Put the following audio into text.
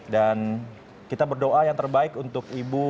dan kita berdoa yang terbaik untuk ibu